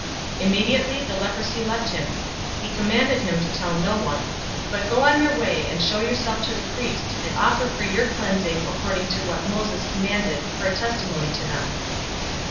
Immediately the leprosy left him. 005:014 He charged him to tell no one, "But go your way, and show yourself to the priest, and offer for your cleansing according to what Moses commanded, for a testimony to them."